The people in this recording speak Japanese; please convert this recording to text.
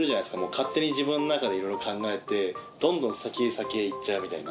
勝手に自分の中でいろいろ考えてどんどん先へ先へ行っちゃうみたいな。